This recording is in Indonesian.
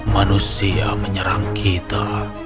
manusia menyerang kita